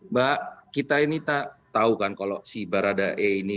mbak kita ini tahu kan kalau si baradae ini